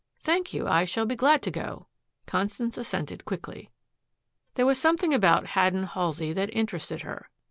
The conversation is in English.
"Thank you. I shall be glad to go," Constance assented quickly. There was something about Haddon Halsey that interested her.